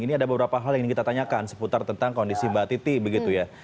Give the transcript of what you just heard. ini ada beberapa hal yang ingin kita tanyakan seputar tentang kondisi mbak titi begitu ya